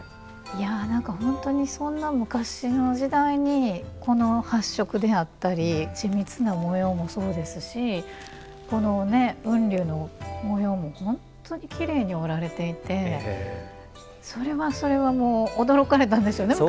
いや何か本当にそんな昔の時代にこの発色であったり緻密な模様もそうですしこの雲竜の模様も本当にきれいに織られていてそれはそれはもう驚かれたでしょうね